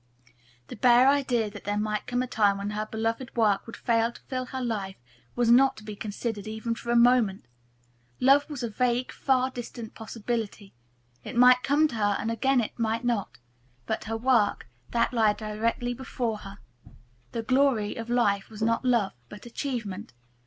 The bare idea that there might come a time when her beloved work would fail to fill her life was not to be considered, even for a moment. Love was a vague, far distant possibility. It might come to her, and again it might not. But her work that lay directly before her. The glory of life was not love, but achievement.